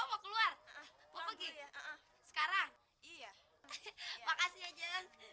sekarang makasih aja